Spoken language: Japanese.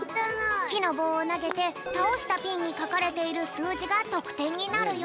きのぼうをなげてたおしたピンにかかれているすうじがとくてんになるよ！